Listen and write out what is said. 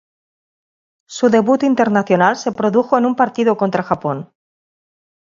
Su debut internacional se produjo en un partido contra Japón.